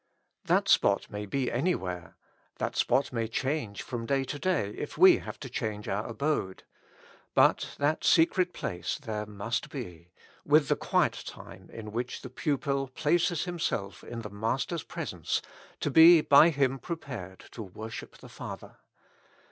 That spot may be any where ; that spot may change from day to day if we have to change our abode ; but that secret place there must be, with the quiet time in which the pupil places himself in the Master's presence, to be by Him prepared to worship the Father.